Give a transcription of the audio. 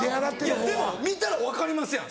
いやでも見たら分かりますやん